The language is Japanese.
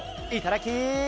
いただき！